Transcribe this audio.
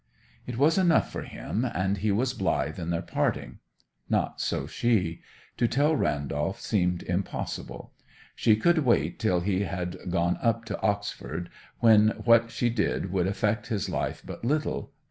It was enough for him, and he was blithe at their parting. Not so she. To tell Randolph seemed impossible. She could wait till he had gone up to Oxford, when what she did would affect his life but little.